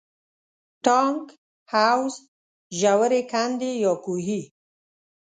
ټانک، حوض، ژورې کندې یا کوهي.